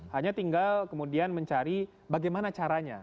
hanya tinggal kemudian mencari bagaimana caranya